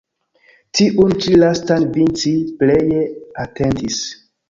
Tiun ĉi lastan Vinci pleje atentis.